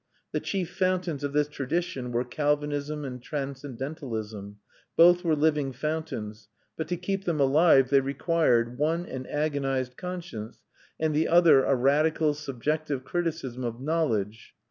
The chief fountains of this tradition were Calvinism and transcendentalism. Both were living fountains; but to keep them alive they required, one an agonised conscience, and the other a radical subjective criticism of knowledge.